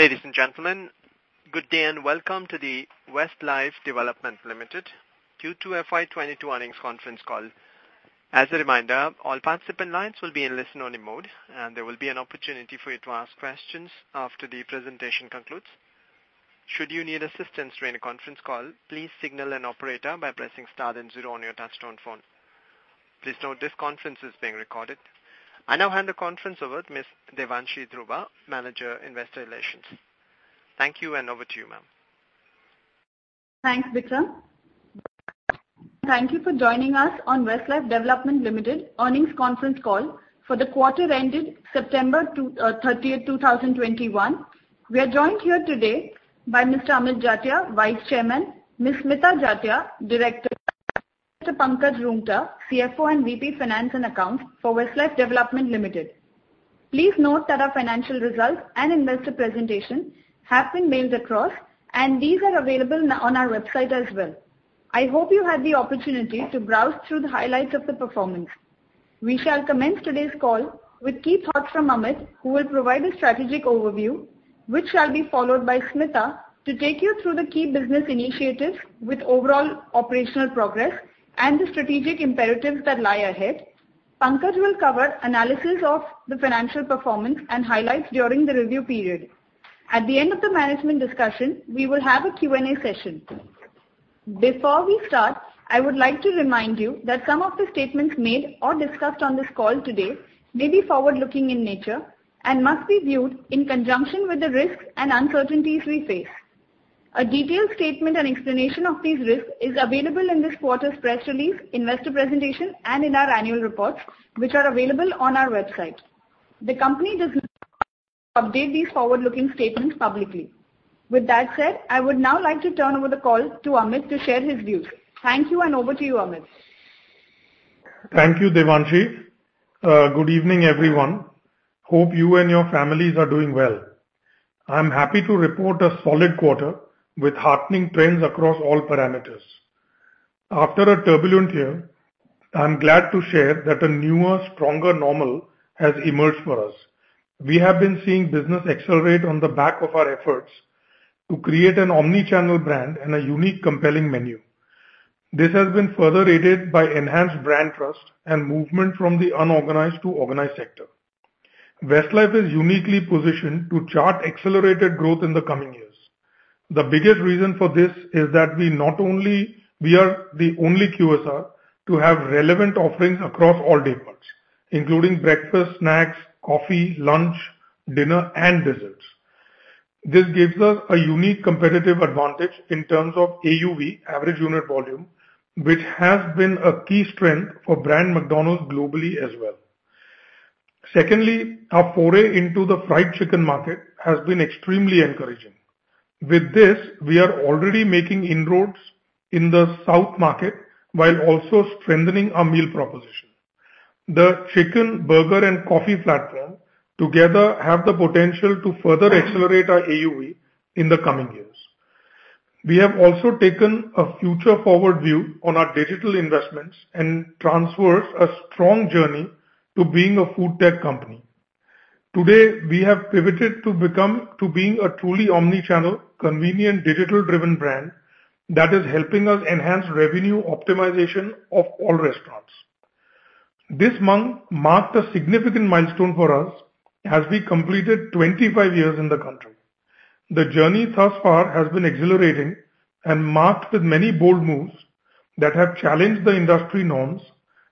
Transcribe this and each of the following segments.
Ladies and gentlemen, good day and welcome to the Westlife Development Limited Q2 FY22 earnings conference call. As a reminder, all participant lines will be in listen-only mode, and there will be an opportunity for you to ask questions after the presentation concludes. Should you need assistance during the conference call, please signal an operator by pressing star then zero on your touchtone phone. Please note this conference is being recorded. I now hand the conference over to Ms. Devanshi Dhruva, Manager, Investor Relations. Thank you, and over to you, ma'am. Thanks, Vikram. Thank you for joining us on Westlife Development Limited earnings conference call for the quarter ending September thirtieth, 2021. We are joined here today by Mr. Amit Jatia, Vice Chairman; Ms. Smita Jatia, Director; Mr. Pankaj Roongta, CFO and VP, Finance and Accounts for Westlife Development Limited. Please note that our financial results and investor presentation have been mailed across, and these are available on our website as well. I hope you had the opportunity to browse through the highlights of the performance. We shall commence today's call with key thoughts from Amit, who will provide a strategic overview, which shall be followed by Smita to take you through the key business initiatives with overall operational progress and the strategic imperatives that lie ahead. Pankaj will cover analysis of the financial performance and highlights during the review period. At the end of the management discussion, we will have a Q&A session. Before we start, I would like to remind you that some of the statements made or discussed on this call today may be forward-looking in nature and must be viewed in conjunction with the risks and uncertainties we face. A detailed statement and explanation of these risks is available in this quarter's press release, investor presentation, and in our annual reports, which are available on our website. The company does not update these forward-looking statements publicly. With that said, I would now like to turn over the call to Amit to share his views. Thank you, and over to you, Amit. Thank you, Devanshi. Good evening, everyone. Hope you and your families are doing well. I'm happy to report a solid quarter with heartening trends across all parameters. After a turbulent year, I'm glad to share that a newer, stronger normal has emerged for us. We have been seeing business accelerate on the back of our efforts to create an omni-channel brand and a unique, compelling menu. This has been further aided by enhanced brand trust and movement from the unorganized to organized sector. Westlife is uniquely positioned to chart accelerated growth in the coming years. The biggest reason for this is that we are the only QSR to have relevant offerings across all day parts, including breakfast, snacks, coffee, lunch, dinner, and desserts. This gives us a unique competitive advantage in terms of AUV, average unit volume, which has been a key strength for brand McDonald's globally as well. Secondly, our foray into the fried chicken market has been extremely encouraging. With this, we are already making inroads in the south market while also strengthening our meal proposition. The chicken, burger, and coffee platform together have the potential to further accelerate our AUV in the coming years. We have also taken a future-forward view on our digital investments and traversed a strong journey to being a food tech company. Today, we have pivoted to being a truly omni-channel, convenient, digital-driven brand that is helping us enhance revenue optimization of all restaurants. This month marked a significant milestone for us as we completed 25 years in the country. The journey thus far has been exhilarating and marked with many bold moves that have challenged the industry norms,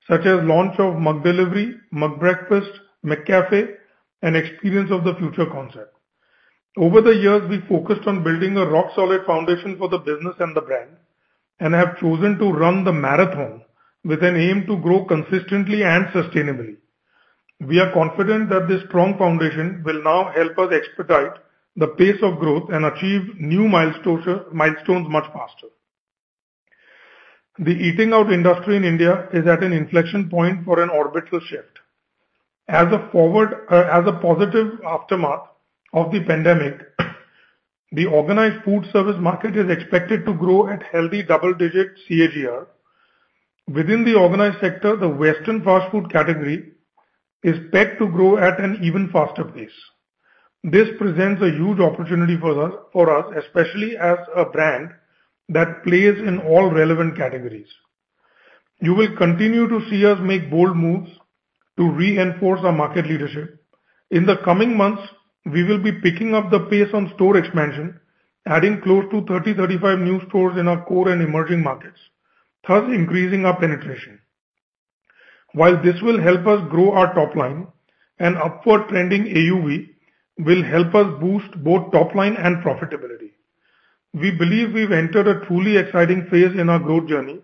such as launch of McDelivery, McBreakfast, McCafé, and Experience of the Future concept. Over the years, we focused on building a rock solid foundation for the business and the brand and have chosen to run the marathon with an aim to grow consistently and sustainably. We are confident that this strong foundation will now help us expedite the pace of growth and achieve new milestones much faster. The eating out industry in India is at an inflection point for an orbital shift. As a positive aftermath of the pandemic, the organized food service market is expected to grow at healthy double-digit CAGR. Within the organized sector, the Western fast food category is pegged to grow at an even faster pace. This presents a huge opportunity for us, especially as a brand that plays in all relevant categories. You will continue to see us make bold moves to reinforce our market leadership. In the coming months, we will be picking up the pace on store expansion, adding close to 30-35 new stores in our core and emerging markets, thus increasing our penetration. While this will help us grow our top line, an upward trending AUV will help us boost both top line and profitability. We believe we've entered a truly exciting phase in our growth journey,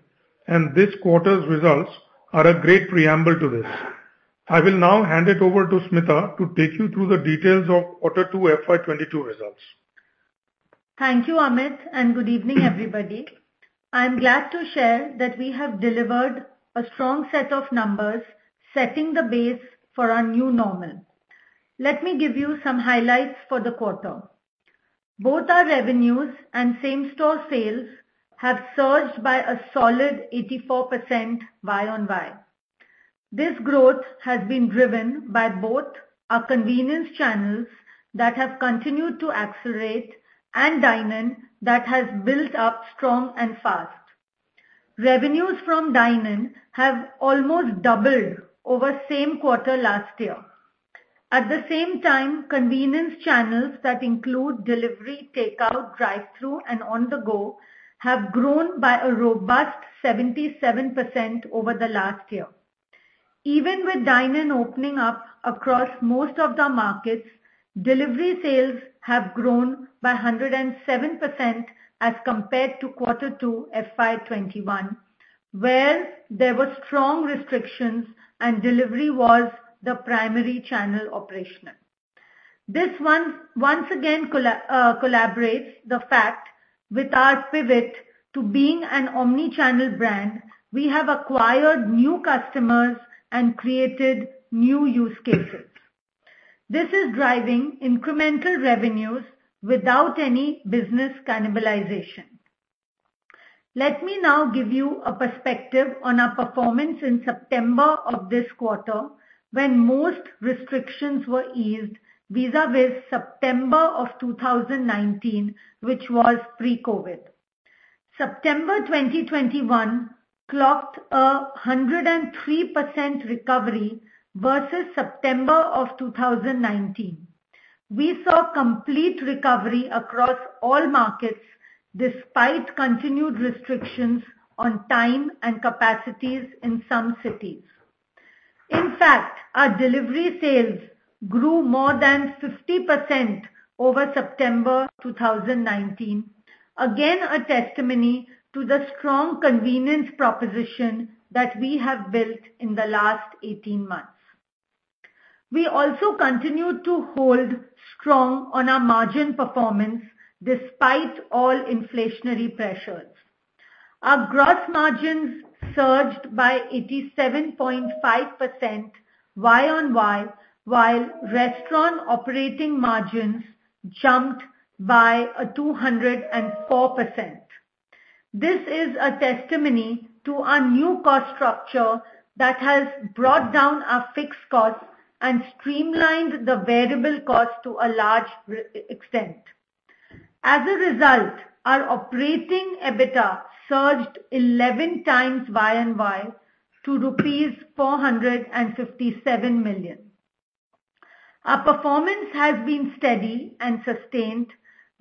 and this quarter's results are a great preamble to this. I will now hand it over to Smita to take you through the details of Q2 FY 2022 results. Thank you, Amit, and good evening, everybody. I'm glad to share that we have delivered a strong set of numbers, setting the base for our new normal. Let me give you some highlights for the quarter. Both our revenues and same store sales have surged by a solid 84% YOY. This growth has been driven by both our convenience channels that have continued to accelerate and dine-in that has built up strong and fast. Revenues from dine-in have almost doubled over same quarter last year. At the same time, convenience channels that include delivery, takeout, drive through, and On the Go have grown by a robust 77% over the last year. Even with dine-in opening up across most of the markets, delivery sales have grown by 107% as compared to Q2 FY 2021, where there were strong restrictions and delivery was the primary channel operational. This once again collaborates the fact with our pivot to being an omni-channel brand, we have acquired new customers and created new use cases. This is driving incremental revenues without any business cannibalization. Let me now give you a perspective on our performance in September of this quarter when most restrictions were eased vis-a-vis September 2019, which was pre-COVID. September 2021 clocked a 103% recovery versus September 2019. We saw complete recovery across all markets despite continued restrictions on time and capacities in some cities. In fact, our delivery sales grew more than 50% over September 2019. Again, a testimony to the strong convenience proposition that we have built in the last 18 months. We also continued to hold strong on our margin performance despite all inflationary pressures. Our gross margins surged by 87.5% YOY, while restaurant operating margins jumped by 204%. This is a testimony to our new cost structure that has brought down our fixed costs and streamlined the variable costs to a large extent. As a result, our operating EBITDA surged 11 times YOY to rupees 457 million. Our performance has been steady and sustained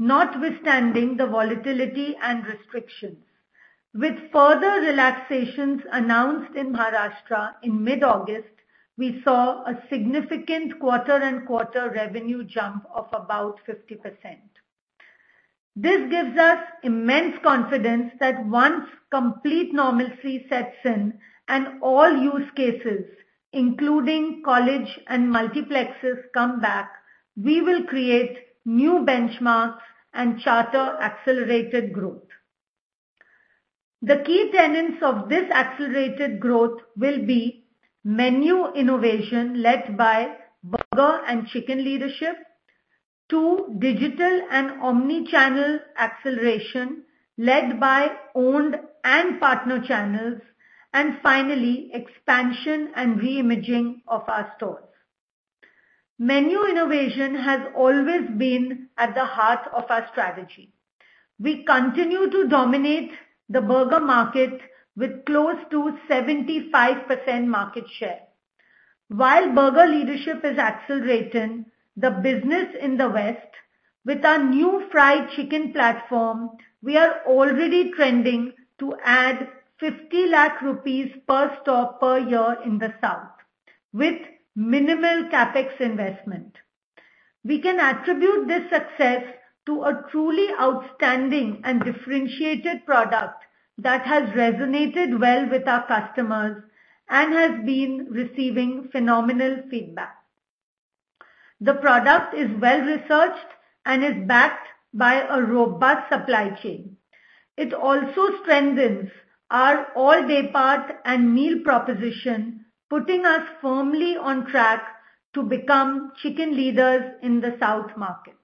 notwithstanding the volatility and restrictions. With further relaxations announced in Maharashtra in mid-August, we saw a significant quarter-on-quarter revenue jump of about 50%. This gives us immense confidence that once complete normalcy sets in and all use cases, including college and multiplexes come back, we will create new benchmarks and charter accelerated growth. The key tenets of this accelerated growth will be menu innovation led by burger and chicken leadership, two, digital and omni-channel acceleration led by owned and partner channels, and finally, expansion and re-imaging of our stores. Menu innovation has always been at the heart of our strategy. We continue to dominate the burger market with close to 75% market share. While burger leadership is accelerating the business in the West, with our new fried chicken platform, we are already trending to add 50 lakh rupees per store per year in the South with minimal CapEx investment. We can attribute this success to a truly outstanding and differentiated product that has resonated well with our customers and has been receiving phenomenal feedback. The product is well-researched and is backed by a robust supply chain. It also strengthens our all-day part and meal proposition, putting us firmly on track to become chicken leaders in the South market.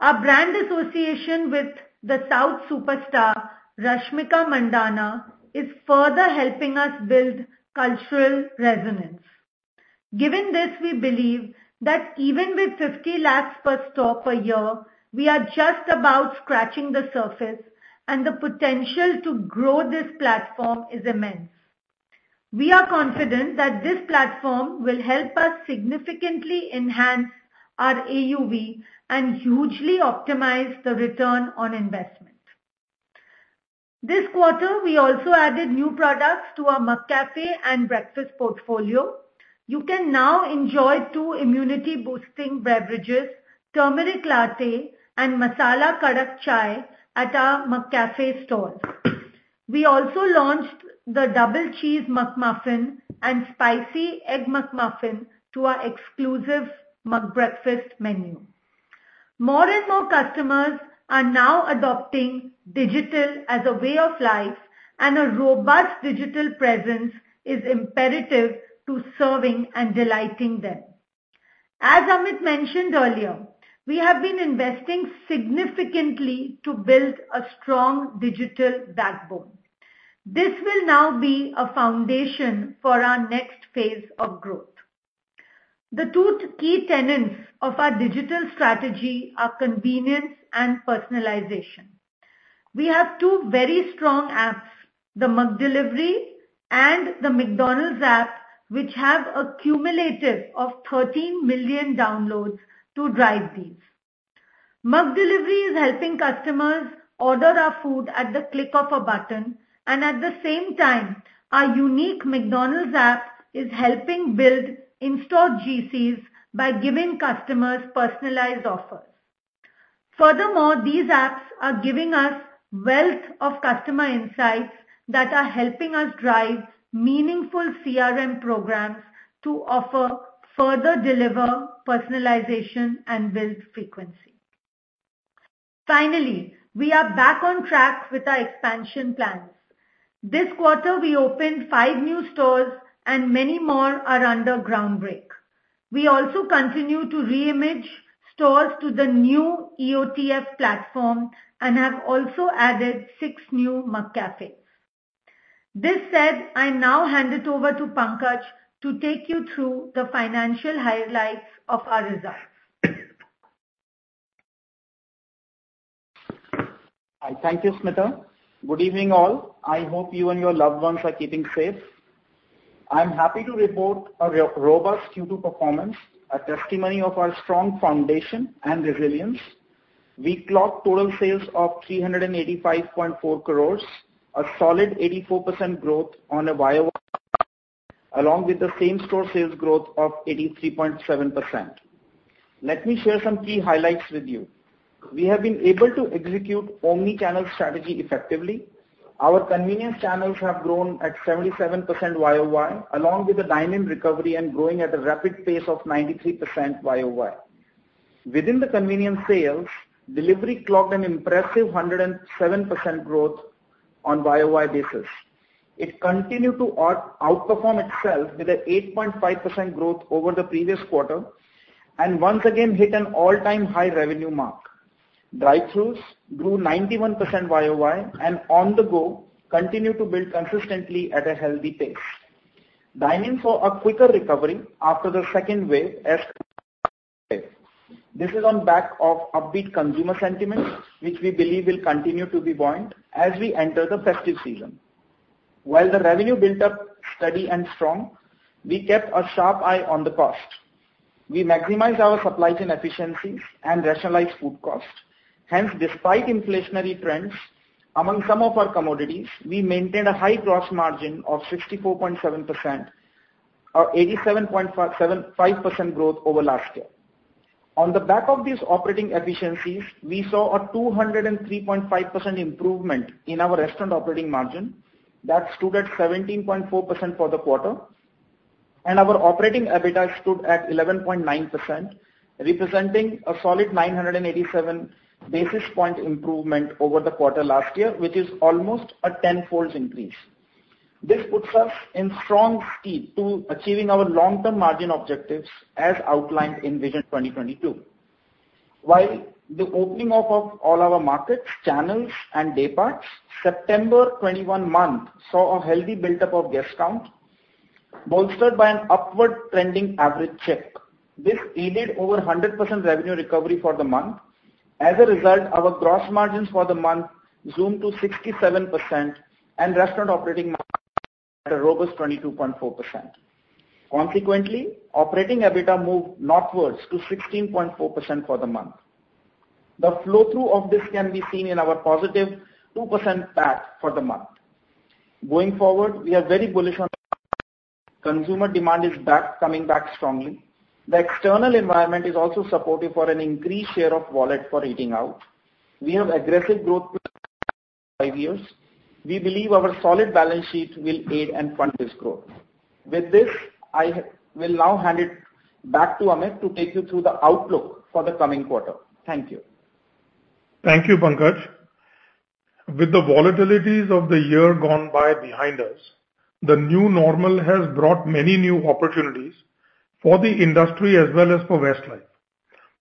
Our brand association with the South superstar, Rashmika Mandanna is further helping us build cultural resonance. Given this, we believe that even with 50 lakhs per store per year, we are just about scratching the surface and the potential to grow this platform is immense. We are confident that this platform will help us significantly enhance our AUV and hugely optimize the return on investment. This quarter, we also added new products to our McCafé and breakfast portfolio. You can now enjoy two immunity boosting beverages, Turmeric Latte and Masala Kadak Chai at our McCafé stores. We also launched the Double Cheese McMuffin and Spicy Egg McMuffin to our exclusive McBreakfast menu. More and more customers are now adopting digital as a way of life, and a robust digital presence is imperative to serving and delighting them. As Amit mentioned earlier, we have been investing significantly to build a strong digital backbone. This will now be a foundation for our next phase of growth. The two key tenets of our digital strategy are convenience and personalization. We have two very strong apps, the McDelivery and the McDonald's app, which have a cumulative of 13 million downloads to drive these. McDelivery is helping customers order our food at the click of a button, and at the same time, our unique McDonald's app is helping build in-store GCs by giving customers personalized offers. Furthermore, these apps are giving us a wealth of customer insights that are helping us drive meaningful CRM programs to further deliver personalization and build frequency. Finally, we are back on track with our expansion plans. This quarter, we opened five new stores and many more are under groundbreaking. We also continue to re-image stores to the new EOTF platform and have also added six new McCafés. That said, I now hand it over to Pankaj to take you through the financial highlights of our results. Hi. Thank you, Smita. Good evening, all. I hope you and your loved ones are keeping safe. I'm happy to report a very robust Q2 performance, a testimony of our strong foundation and resilience. We clocked total sales of 385.4 crores, a solid 84% growth on a YOY, along with the same store sales growth of 83.7%. Let me share some key highlights with you. We have been able to execute omni-channel strategy effectively. Our convenience channels have grown at 77% YOY, along with the dine-in recovery and growing at a rapid pace of 93% YOY. Within the convenience sales, delivery clocked an impressive 107% growth on YOY basis. It continued to outperform itself with an 8.5% growth over the previous quarter, and once again hit an all-time high revenue mark. Drive-throughs grew 91% YOY, and On the Go continues to build consistently at a healthy pace. Dine-in saw a quicker recovery after the second wave as this is on the back of upbeat consumer sentiment, which we believe will continue to be buoyant as we enter the festive season. While the revenue built up steady and strong, we kept a sharp eye on the cost. We maximized our supply chain efficiencies and rationalized food cost. Hence, despite inflationary trends among some of our commodities, we maintained a high gross margin of 64.7%, or 87.375% growth over last year. On the back of these operating efficiencies, we saw a 203.5% improvement in our restaurant operating margin. That stood at 17.4% for the quarter. Our operating EBITDA stood at 11.9%, representing a solid 987 basis point improvement over the quarter last year, which is almost a tenfold increase. This puts us in strong step to achieving our long-term margin objectives as outlined in Vision 2022. While the opening up of all our markets, channels, and day parts, September 2021 month saw a healthy build-up of guest count, bolstered by an upward trending average check. This aided over 100% revenue recovery for the month. As a result, our gross margins for the month zoomed to 67% and restaurant operating at a robust 22.4%. Consequently, operating EBITDA moved northwards to 16.4% for the month. The flow-through of this can be seen in our positive two percent PAT for the month. Going forward, we are very bullish on consumer demand. It is back, coming back strongly. The external environment is also supportive for an increased share of wallet for eating out. We have aggressive growth five years. We believe our solid balance sheet will aid and fund this growth. With this, I will now hand it back to Amit to take you through the outlook for the coming quarter. Thank you. Thank you, Pankaj. With the volatilities of the year gone by behind us, the new normal has brought many new opportunities for the industry as well as for Westlife.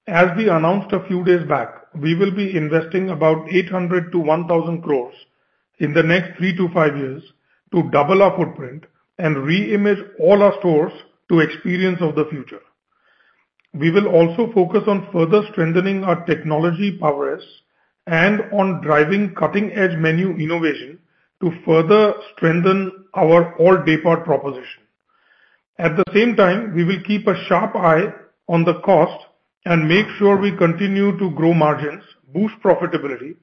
As we announced a few days back, we will be investing about 800-1,000 crore in the next three-five years to double our footprint and reimagine all our stores to Experience of the Future. We will also focus on further strengthening our technology prowess and on driving cutting edge menu innovation to further strengthen our all daypart proposition. At the same time, we will keep a sharp eye on the cost and make sure we continue to grow margins, boost profitability,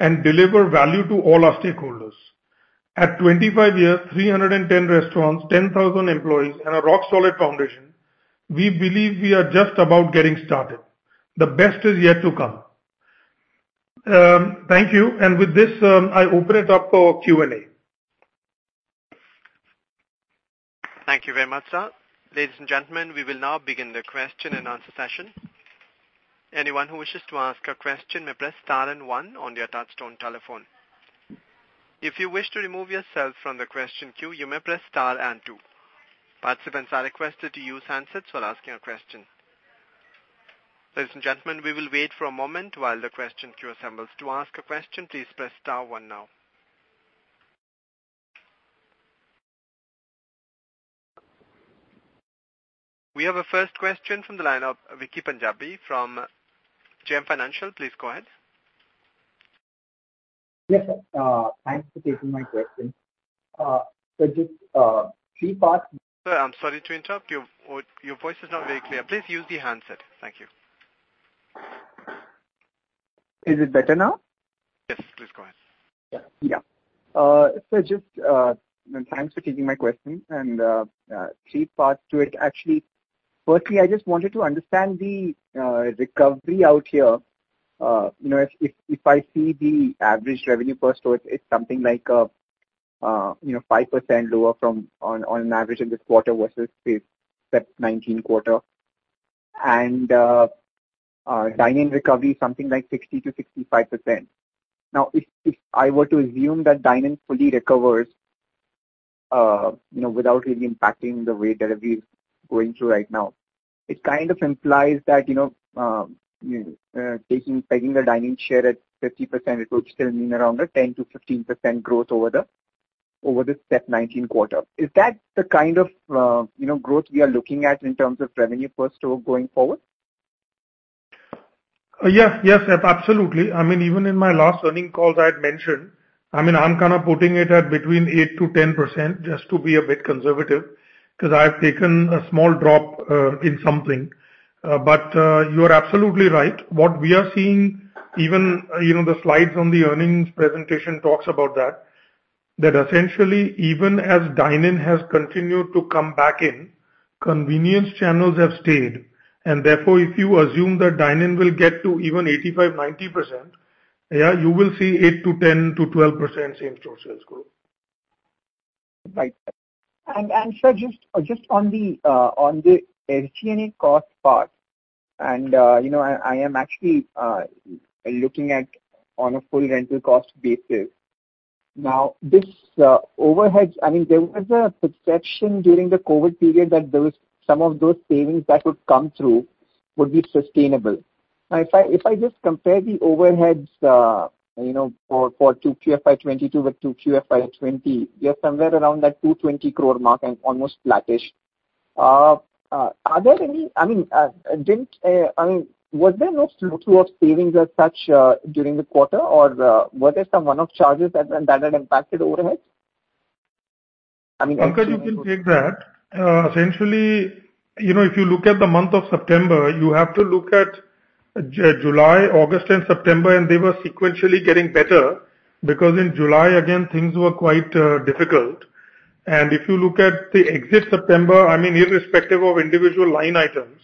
and deliver value to all our stakeholders. At 25 years, 310 restaurants, 10,000 employees and a rock-solid foundation, we believe we are just about getting started. The best is yet to come. Thank you. With this, I open it up for Q&A. Thank you very much, sir. Ladies and gentlemen, we will now begin the question and answer session. Anyone who wishes to ask a question may press star and one on your touch tone telephone. If you wish to remove yourself from the question queue, you may press star and two. Participants are requested to use handsets while asking a question. Ladies and gentlemen, we will wait for a moment while the question queue assembles. To ask a question, please press star one now. We have a first question from the line of Vicky Punjabi from JM Financial. Please go ahead. Yes, sir. Thanks for taking my question. Just three parts. Sir, I'm sorry to interrupt you. Your voice is not very clear. Please use the handset. Thank you. Is it better now? Yes. Please go ahead. Thanks for taking my question, and three parts to it actually. Firstly, I just wanted to understand the recovery out here. You know, if I see the average revenue per store, it's something like 5% lower than on average in this quarter versus the Sept '19 quarter. Dine-in recovery something like 60%-65%. Now, if I were to assume that dine-in fully recovers, you know, without really impacting the way that we're going through right now, it kind of implies that, you know, pegging the dine-in share at 50%, it would still mean around a 10%-15% growth over the Sept '19 quarter. Is that the kind of, you know, growth we are looking at in terms of revenue per store going forward? Yes. Absolutely. I mean, even in my last earnings call I had mentioned, I mean, I'm kind of putting it at between 8%-10% just to be a bit conservative, 'cause I've taken a small drop in something. You are absolutely right. What we are seeing even, you know, the slides on the earnings presentation talks about that that essentially even as dine-in has continued to come back in, convenience channels have stayed. Therefore, if you assume that dine-in will get to even 85%, 90%, yeah, you will see 8%-12% same-store sales growth. Sir, just on the SG&A cost part, you know, I am actually looking at on a full rental cost basis. Now, this overheads, I mean, there was a perception during the COVID period that there was some of those savings that would come through would be sustainable. Now, if I just compare the overheads, you know, for 2 QFY 2022 with 2 QFY 2020, we are somewhere around that 220 crore mark and almost flattish. Are there any? I mean, was there no flow-through of savings as such during the quarter? Or were there some one-off charges that had impacted overhead? I mean. Pankaj, you can take that. Essentially, you know, if you look at the month of September, you have to look at July, August and September, and they were sequentially getting better because in July again things were quite difficult. If you look at the exit September, I mean, irrespective of individual line items,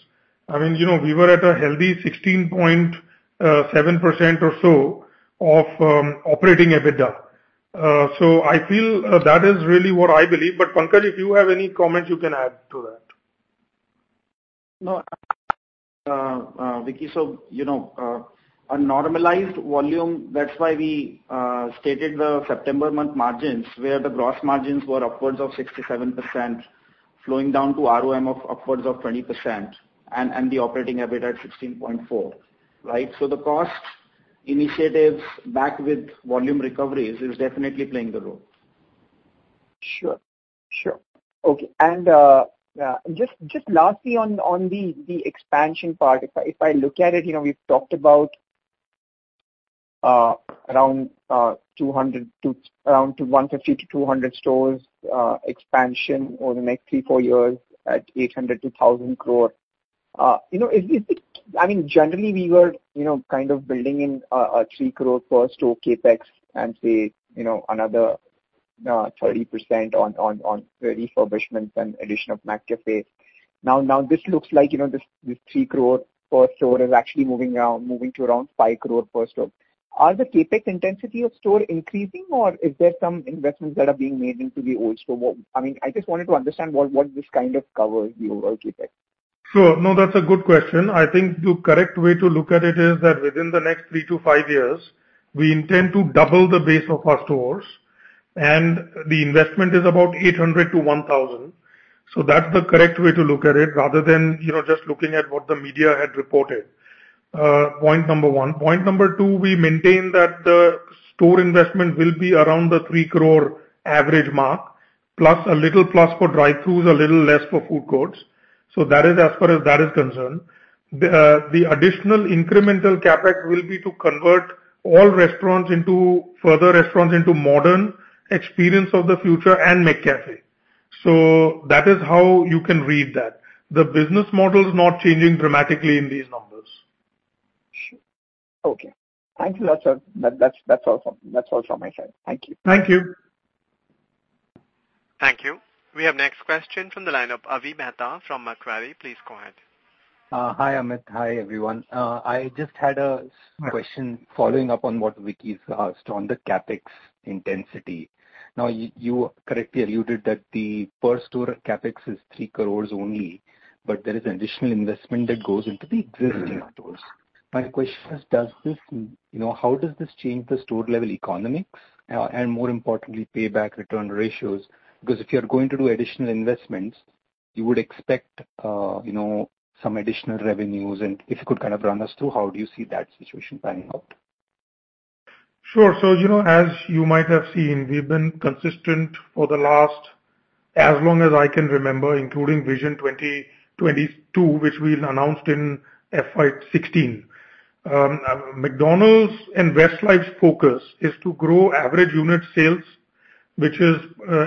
I mean, you know, we were at a healthy 16.7% or so of operating EBITDA. So I feel that is really what I believe. Pankaj, if you have any comments you can add to that. No. Vicky, so you know, a normalized volume, that's why we stated the September month margins where the gross margins were upwards of 67% flowing down to ROM of upwards of 20% and the operating EBITDA at 16.4, right? The cost initiatives back with volume recoveries is definitely playing the role. Sure. Okay. Just lastly on the expansion part. If I look at it, you know, we've talked about around 150 to 200 stores expansion over the next 3-4 years at 800-1,000 crore. You know, is it? I mean, generally we were, you know, kind of building in a 3 crore per store CapEx and say, you know, another 30% on refurbishments and addition of McCafé. Now this looks like, you know, this 3 crore per store is actually moving to around 5 crore per store. Are the CapEx intensity of store increasing or is there some investments that are being made into the old store? I mean, I just wanted to understand what this kind of covers the overall CapEx? Sure. No, that's a good question. I think the correct way to look at it is that within the next three-five years we intend to double the base of our stores and the investment is about 800 crore-1,000 crore. That's the correct way to look at it rather than, you know, just looking at what the media had reported. Point number one. Point number two, we maintain that the store investment will be around the 3 crore average mark plus a little for drive-throughs, a little less for food courts. That is as far as that is concerned. The additional incremental CapEx will be to convert all restaurants into modern Experience of the Future and McCafé. That is how you can read that. The business model is not changing dramatically in these numbers. Sure. Okay. Thank you a lot, sir. That's all from my side. Thank you. Thank you. Thank you. We have next question from the line of Avi Mehta from Macquarie. Please go ahead. Hi, Amit. Hi, everyone. I just had a question following up on what Vicky's asked on the CapEx intensity. Now, you correctly alluded that the per store CapEx is 3 crore only, but there is additional investment that goes into the existing stores. My question is, does this, you know, how does this change the store level economics, and more importantly, payback return ratios? Because if you're going to do additional investments, you would expect, you know, some additional revenues. If you could kind of run us through how do you see that situation panning out. Sure. You know, as you might have seen, we've been consistent for the last, as long as I can remember, including Vision 2022, which we announced in FY 2016. McDonald's and Westlife's focus is to grow average unit sales, which is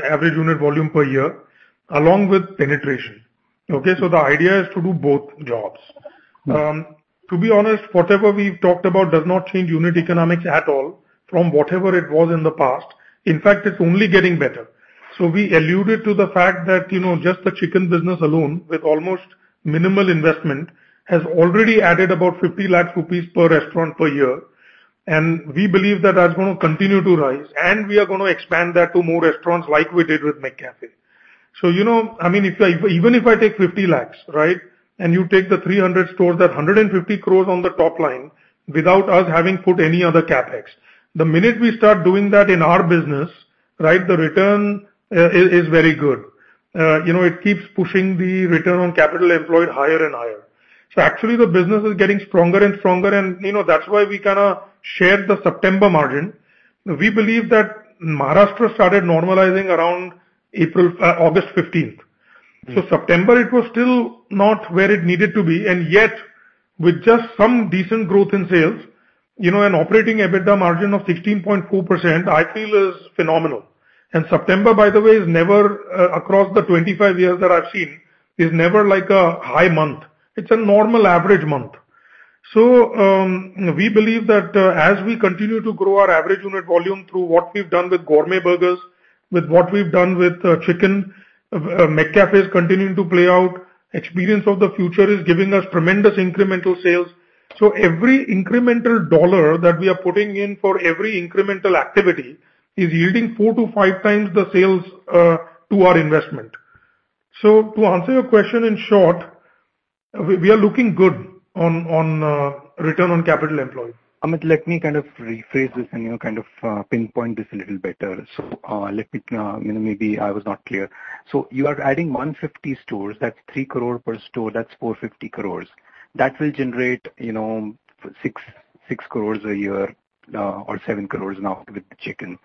average unit volume per year, along with penetration. Okay? The idea is to do both jobs. To be honest, whatever we've talked about does not change unit economics at all from whatever it was in the past. In fact, it's only getting better. We alluded to the fact that, you know, just the chicken business alone, with almost minimal investment, has already added about 50 lakh rupees per restaurant per year. We believe that that's gonna continue to rise, and we are gonna expand that to more restaurants like we did with McCafé. You know, I mean, if I even if I take 50 lakhs, right? And you take the 300 stores, that's 150 crores on the top line without us having put any other CapEx. The minute we start doing that in our business, right, the return is very good. You know, it keeps pushing the return on capital employed higher and higher. Actually the business is getting stronger and stronger and, you know, that's why we kinda shared the September margin. We believe that Maharashtra started normalizing around April, August fifteenth. September it was still not where it needed to be, and yet, with just some decent growth in sales, you know, an operating EBITDA margin of 16.4% I feel is phenomenal. September, by the way, is never across the 25 years that I've seen like a high month. It's a normal average month. We believe that as we continue to grow our average unit volume through what we've done with gourmet burgers, with what we've done with chicken, McCafé is continuing to play out, Experience of the Future is giving us tremendous incremental sales. Every incremental dollar that we are putting in for every incremental activity is yielding 4-5× the sales to our investment. To answer your question, in short, we are looking good on return on capital employed. Amit, let me kind of rephrase this and, you know, kind of, pinpoint this a little better. Let me maybe I was not clear. You are adding 150 stores, that's 3 crore per store, that's 450 crores. That will generate, you know, six crores a year, or seven crores now with the chicken,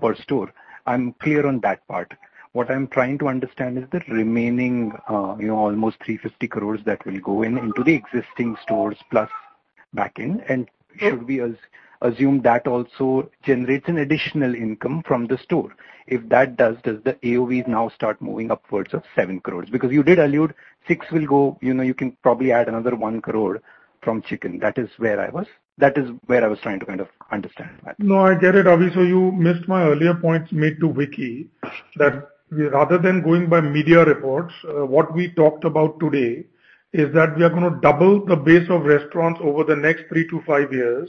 per store. I'm clear on that part. What I'm trying to understand is the remaining, you know, almost 350 crores that will go in, into the existing stores plus back in. Should we assume that also generates an additional income from the store? If that does the AUV now start moving upwards of seven crores? Because you did allude six will go, you know, you can probably add another one crore from chicken. That is where I was trying to kind of understand that. No, I get it, Avi. You missed my earlier points made to Vicky, that rather than going by media reports, what we talked about today is that we are gonna double the base of restaurants over the next three-five years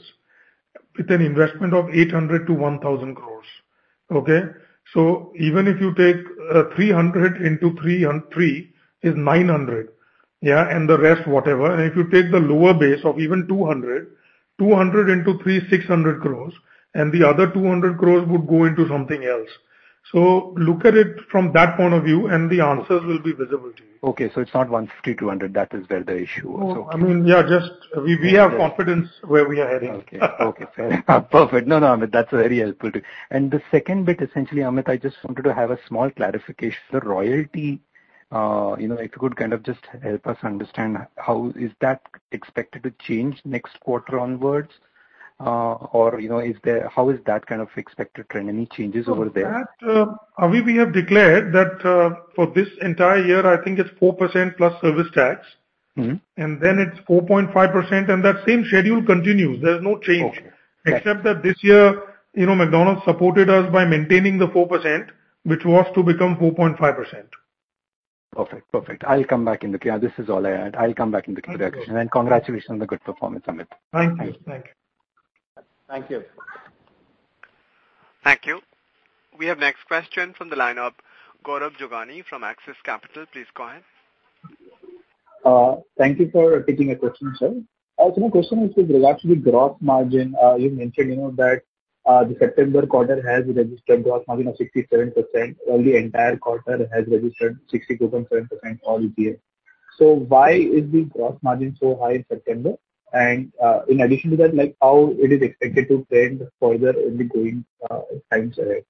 with an investment of 800-1,000 crores. Okay? Even if you take, 300 into three and three is 900, yeah, and the rest, whatever. If you take the lower base of even 200 into 3 is 600 crores, and the other 200 crores would go into something else. Look at it from that point of view, and the answers will be visible to you. Okay, it's not 150-200. That is where the issue was, okay. I mean, yeah, just we have confidence where we are heading. Okay. Okay, fair enough. Perfect. No, no, Amit, that's very helpful too. The second bit, essentially, Amit, I just wanted to have a small clarification. The royalty, you know, if you could kind of just help us understand how is that expected to change next quarter onwards? Or, you know, how is that kind of expected trend? Any changes over there? that, Avi, we have declared that, for this entire year, I think it's four percent plus service tax. Mm-hmm. It's 4.5%, and that same schedule continues. There's no change. Okay. Except that this year, you know, McDonald's supported us by maintaining the four percent, which was to become four half percent. Perfect. Yeah, this is all I had. I'll come back in the Q&A. Okay. Congratulations on the good performance, Amit. Thank you. Thank you. Thank you. Thank you. We have next question from the line of Gaurav Jogani from Axis Capital. Please go ahead. Thank you for taking the question, sir. My question is with regards to the gross margin. You mentioned, you know, that the September quarter has registered gross margin of 67%, while the entire quarter has registered 62.7% for all EBITDA. Why is the gross margin so high in September? In addition to that, like how it is expected to trend further in the going times ahead?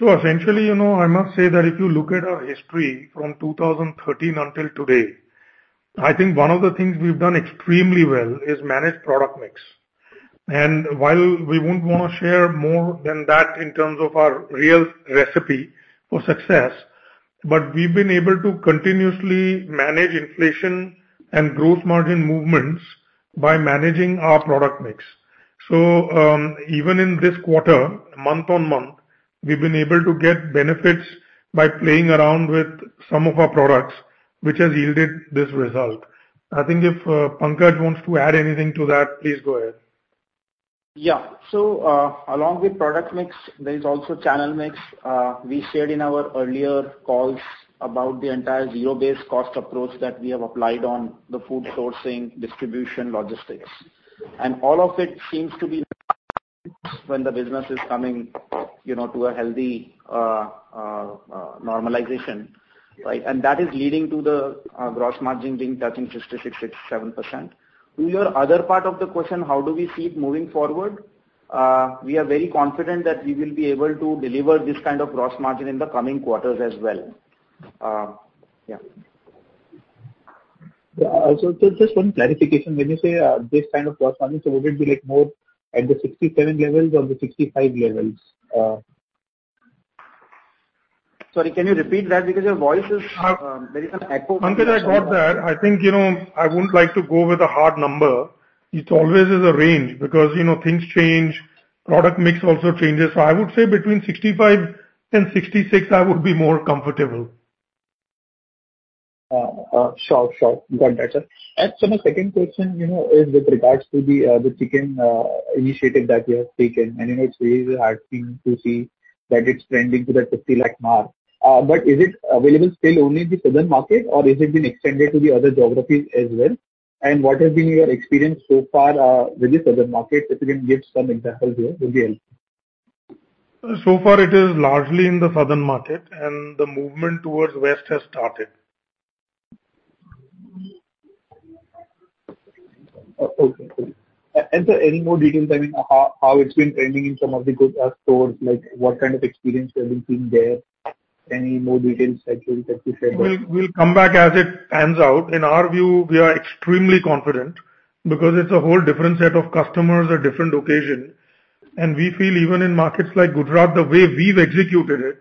Essentially, you know, I must say that if you look at our history from 2013 until today, I think one of the things we've done extremely well is manage product mix. While we wouldn't wanna share more than that in terms of our real recipe for success, but we've been able to continuously manage inflation and gross margin movements by managing our product mix. Even in this quarter, month on month, we've been able to get benefits by playing around with some of our products, which has yielded this result. I think if, Pankaj wants to add anything to that, please go ahead. Yeah. Along with product mix, there is also channel mix. We shared in our earlier calls about the entire zero-based cost approach that we have applied on the food sourcing, distribution, logistics. All of it seems to be when the business is coming, you know, to a healthy normalization, right? That is leading to the gross margin being touching 66%-67%. To your other part of the question, how do we see it moving forward? We are very confident that we will be able to deliver this kind of gross margin in the coming quarters as well. Yeah. Yeah. Also just one clarification. When you say this kind of gross margin, so would it be like more at the 67% levels or the 65% levels? Sorry, can you repeat that? Because your voice is, there is an echo. Ankit, I got that. I think, you know, I wouldn't like to go with a hard number. It always is a range because, you know, things change, product mix also changes. I would say between 65 and 66, I would be more comfortable. Sure. Got that, sir. Sir, my second question, you know, is with regards to the chicken initiative that you have taken. You know, it's really heartening to see that it's trending to that 50 lakh mark. But is it available still only in the southern market, or is it been extended to the other geographies as well? What has been your experience so far with the southern market? If you can give some examples here, would be helpful. So far it is largely in the southern market, and the movement towards West has started. Okay, cool. Sir, any more details, I mean, how it's been trending in some of the Gujarat stores, like what kind of experience you have been seeing there? Any more details that you can share there. We'll come back as it pans out. In our view, we are extremely confident because it's a whole different set of customers, a different occasion. We feel even in markets like Gujarat, the way we've executed it,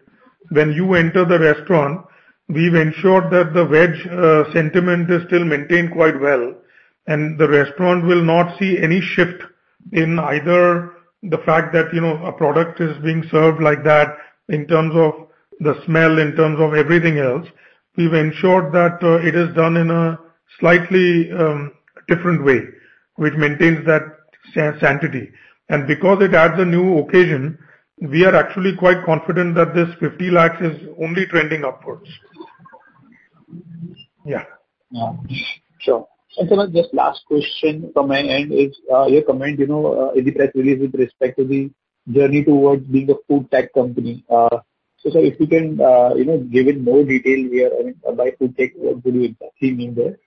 when you enter the restaurant, we've ensured that the veg sentiment is still maintained quite well, and the restaurant will not see any shift in either the fact that, you know, a product is being served like that in terms of the smell, in terms of everything else. We've ensured that it is done in a slightly different way, which maintains that sanctity. Because it adds a new occasion, we are actually quite confident that this 50 lakhs is only trending upwards. Yeah. Yeah. Sure. Sir, just last question from my end is your comment, you know, press release with respect to the journey towards being a food tech company. Sir, if you can, you know, give it more detail here. I mean, by food tech, what do you exactly mean there?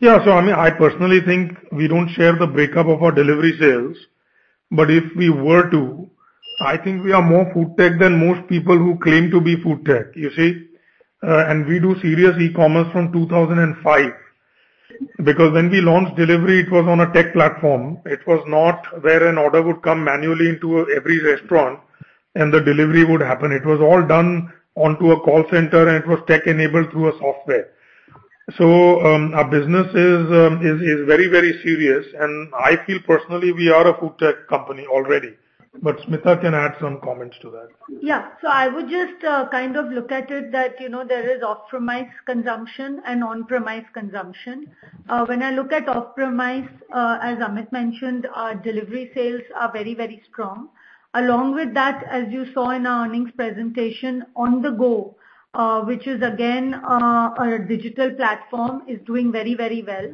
Yeah. I mean, I personally think we don't share the breakup of our delivery sales. If we were to, I think we are more food tech than most people who claim to be food tech, you see. We do serious e-commerce from 2005. Because when we launched delivery, it was on a tech platform. It was not where an order would come manually into every restaurant and the delivery would happen. It was all done onto a call center, and it was tech-enabled through a software. Our business is very, very serious, and I feel personally we are a food tech company already. Smita can add some comments to that. Yeah. I would just kind of look at it that, you know, there is off-premise consumption and on-premise consumption. When I look at off-premise, as Amit mentioned, our delivery sales are very, very strong. Along with that, as you saw in our earnings presentation, On the Go, which is again, our digital platform, is doing very, very well.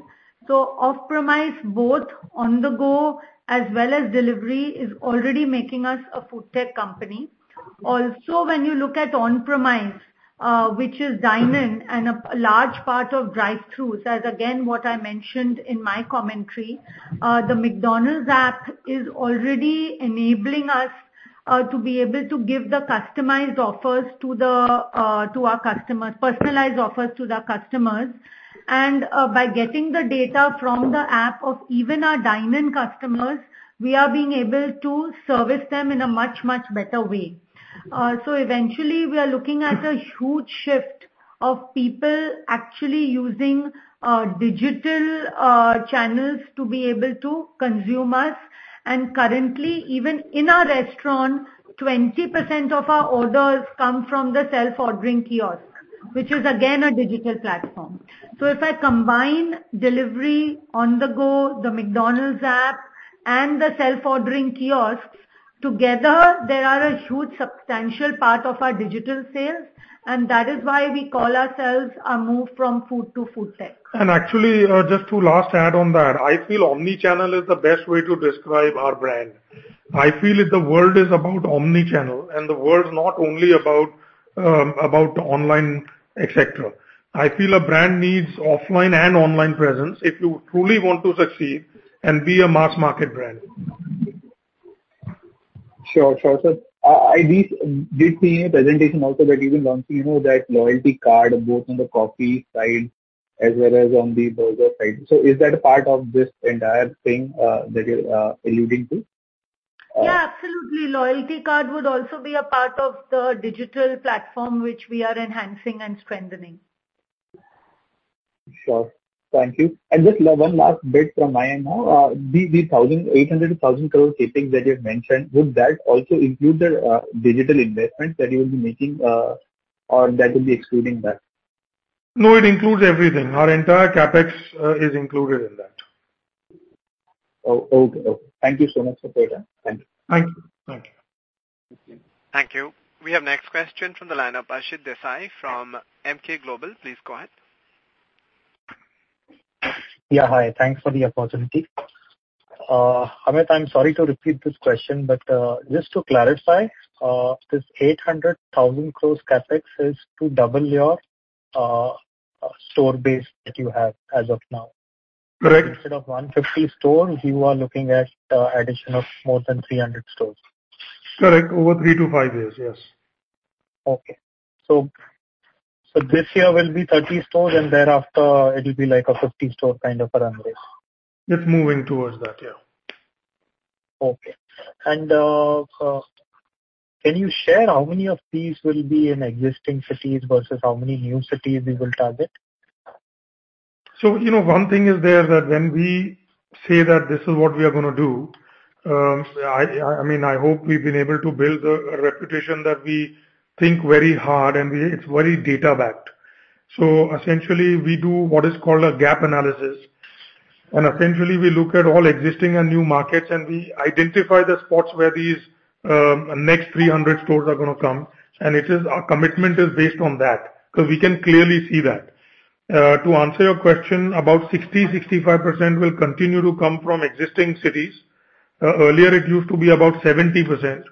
Off premise, both On the Go as well as delivery, is already making us a food tech company. Also, when you look at on-premise, which is dine-in and a large part of drive throughs, as again what I mentioned in my commentary, the McDonald's app is already enabling us to be able to give the customized offers to our customers, personalized offers to the customers. By getting the data from the app of even our dine-in customers, we are being able to service them in a much, much better way. Eventually we are looking at a huge shift of people actually using digital channels to be able to consume us. Currently, even in our restaurant, 20% of our orders come from the self-ordering kiosk, which is again a digital platform. If I combine delivery, On the Go, the McDonald's app, and the self-ordering kiosks, together they are a huge substantial part of our digital sales, and that is why we call ourselves a move from food to food tech. Actually, just to add on that, I feel omni-channel is the best way to describe our brand. I feel the world is about omni-channel, and the world's not only about online, et cetera. I feel a brand needs offline and online presence if you truly want to succeed and be a mass market brand. Sure, sir. I did see a presentation also that you will launch, you know, that loyalty card both on the coffee side as well as on the burger side. Is that a part of this entire thing that you're alluding to? Yeah, absolutely. Loyalty card would also be a part of the digital platform which we are enhancing and strengthening. Sure. Thank you. Just one last bit from my end now. The 1,800-2,000 crore CapEx that you've mentioned, would that also include the digital investment that you will be making, or that will be excluding that? No, it includes everything. Our entire CapEx is included in that. Oh, okay. Thank you so much for your time. Thank you. Thank you. Thank you. Thank you. We have next question from the line of Ashit Desai from Emkay Global. Please go ahead. Yeah, hi. Thanks for the opportunity. Amit, I'm sorry to repeat this question, but just to clarify, this 800 crore CapEx is to double your store base that you have as of now. Correct. Instead of 150 stores, you are looking at addition of more than 300 stores. Correct. Over three-five years. Yes. Okay. This year will be 30 stores, and thereafter it will be like a 50 store kind of a run rate. It's moving towards that. Yeah. Okay. Can you share how many of these will be in existing cities versus how many new cities we will target? You know, one thing is there that when we say that this is what we are gonna do, I mean, I hope we've been able to build a reputation that we think very hard and it's very data backed. Essentially, we do what is called a gap analysis, and essentially we look at all existing and new markets and we identify the spots where these next 300 stores are gonna come. Our commitment is based on that, 'cause we can clearly see that. To answer your question, about 65% will continue to come from existing cities. Earlier it used to be about 70%.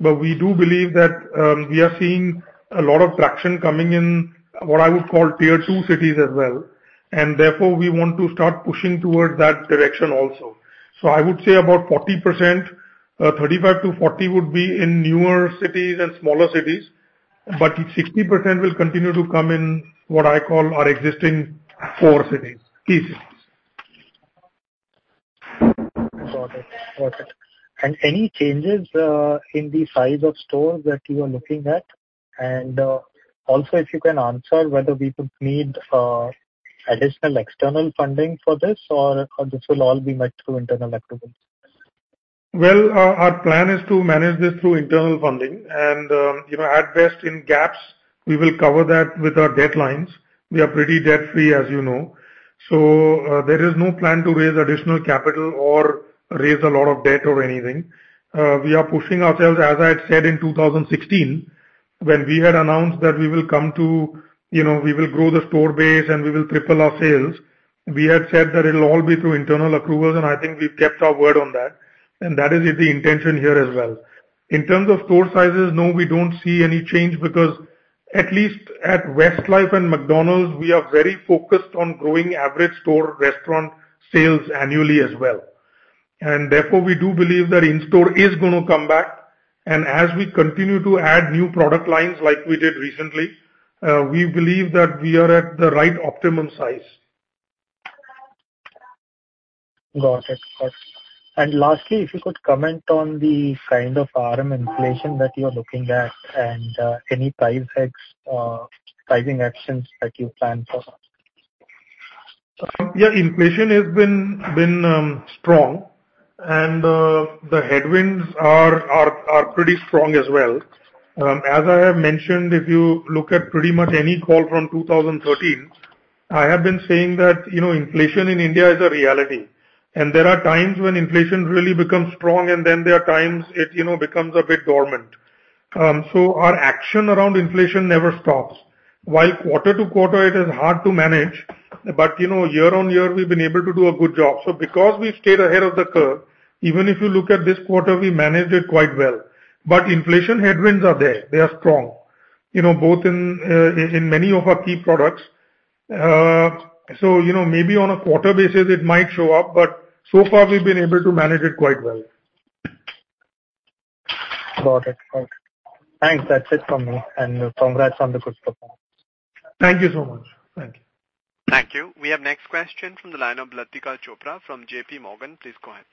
We do believe that we are seeing a lot of traction coming in, what I would call tier two cities as well, and therefore we want to start pushing towards that direction also. I would say about 40%, 35%-40% would be in newer cities and smaller cities, but 60% will continue to come in, what I call our existing four key cities. Got it. Any changes in the size of stores that you are looking at? Also, if you can answer whether we could need additional external funding for this or this will all be met through internal activities. Well, our plan is to manage this through internal funding and, you know, at best in gaps, we will cover that with our debt lines. We are pretty debt free, as you know. There is no plan to raise additional capital or raise a lot of debt or anything. We are pushing ourselves, as I said in 2016, when we had announced that we will come to, you know, we will grow the store base and we will triple our sales. We had said that it'll all be through internal accruals, and I think we've kept our word on that, and that is the intention here as well. In terms of store sizes, no, we don't see any change because at least at Westlife and McDonald's, we are very focused on growing average store restaurant sales annually as well. Therefore, we do believe that in store is gonna come back. As we continue to add new product lines like we did recently, we believe that we are at the right optimum size. Got it. Lastly, if you could comment on the kind of RM inflation that you're looking at and any price hikes, pricing actions that you plan for? Yeah, inflation has been strong. The headwinds are pretty strong as well. As I have mentioned, if you look at pretty much any call from 2013, I have been saying that, you know, inflation in India is a reality. There are times when inflation really becomes strong and then there are times it, you know, becomes a bit dormant. Our action around inflation never stops. While quarter to quarter it is hard to manage, but you know, year on year we've been able to do a good job. Because we've stayed ahead of the curve, even if you look at this quarter, we managed it quite well. Inflation headwinds are there. They are strong. You know, both in many of our key products. You know, maybe on a quarter basis it might show up, but so far we've been able to manage it quite well. Got it. Thanks. That's it from me. Congrats on the good performance. Thank you so much. Thank you. Thank you. We have next question from the line of Latika Chopra from JPMorgan. Please go ahead.